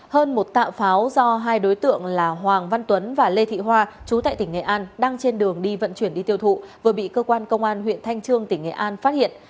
hơn một tạ pháo do hai đối tượng là hoàng văn tuấn và lê thị hoa chú tại tỉnh nghệ an đang trên đường đi vận chuyển đi tiêu thụ vừa bị cơ quan công an huyện thanh trương tỉnh nghệ an phát hiện